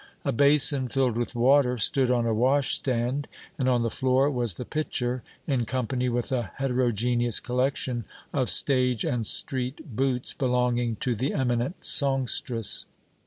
A basin filled with water stood on a washstand, and on the floor was the pitcher, in company with a heterogeneous collection of stage and street boots belonging to the eminent songstress.